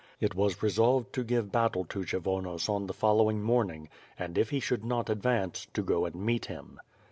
It was resolved to give battle to Kshyvonos on the following morning; and, if he should not advance, to go and meet him.